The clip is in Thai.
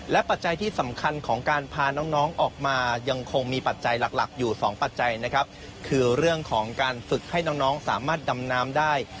ปัจจัยที่สำคัญของการพาน้องออกมายังคงมีปัจจัยหลักหลักอยู่สองปัจจัยนะครับคือเรื่องของการฝึกให้น้องสามารถดำน้ำได้